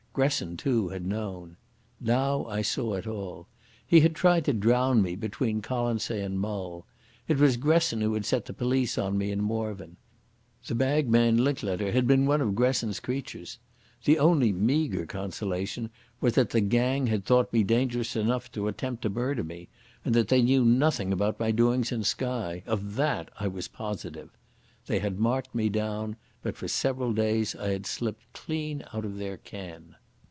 Gresson, too, had known. Now I saw it all. He had tried to drown me between Colonsay and Mull. It was Gresson who had set the police on me in Morvern. The bagman Linklater had been one of Gresson's creatures. The only meagre consolation was that the gang had thought me dangerous enough to attempt to murder me, and that they knew nothing about my doings in Skye. Of that I was positive. They had marked me down, but for several days I had slipped clean out of their ken.